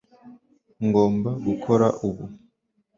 ngomba gukora ubu